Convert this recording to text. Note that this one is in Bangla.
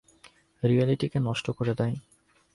রিয়েলিটিকে নষ্ট করে দেয়।